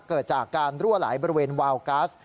เกิดจากการรั่วไหลบริเวณวาวกัส